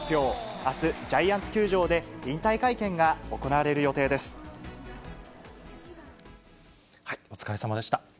あす、ジャイアンツ球場で引退会お疲れさまでした。